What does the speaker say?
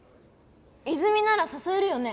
泉なら誘えるよね